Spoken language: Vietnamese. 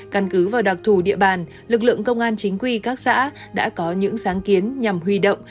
căn cứ vào đặc thù địa bàn lực lượng công an chính quy các xã đã có những sáng kiến nhằm huy động